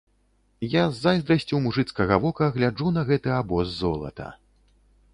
Я з зайздрасцю мужыцкага вока гляджу на гэты абоз золата.